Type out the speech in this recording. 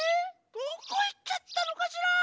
どこいっちゃったのかしら？